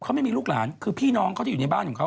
เขาไม่มีลูกหลานคือพี่น้องเขาที่อยู่ในบ้านของเขา